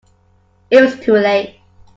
It was too late.